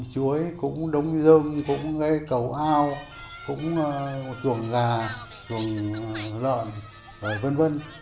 cũng chuối cũng đống rơm cũng cái cầu ao cũng chuồng gà chuồng lợn rồi vân vân